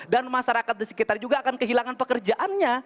dan masyarakat di sekitar juga akan kehilangan pekerjaannya